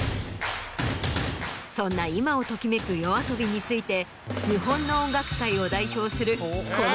そんな今を時めくＹＯＡＳＯＢＩについて。